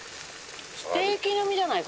ステーキ並みじゃない？